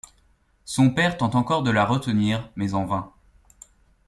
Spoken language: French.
Son père tente encore de la retenir, mais en vain.